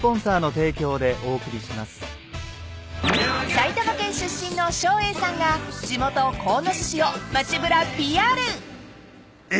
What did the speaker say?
［埼玉県出身の照英さんが地元鴻巣市を街ぶらＰＲ］